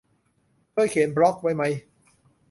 เคยเขียนบล็อกไว้ไหม